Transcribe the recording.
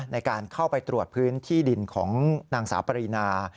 ในการเข้าไปตรวจพื้นที่ดินของนางสาวปรีนา